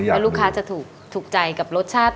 ให้ลูกค้าจะถูกกับรสชาติ